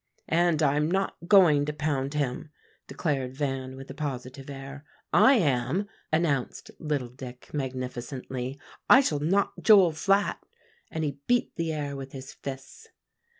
"And I'm not going to pound him," declared Van with a positive air. "I am," announced little Dick magnificently. "I shall knock Joel flat;" and he beat the air with his fists.